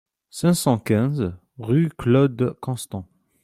cinq cent quinze rue Claude Constant